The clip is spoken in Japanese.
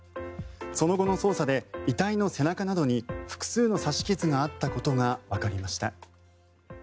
その後の捜査で遺体の背中などに複数の刺し傷があったことがわかりました。